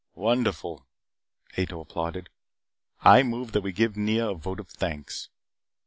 "Wonderful," Ato applauded. "I move that we give Nea a vote of thanks."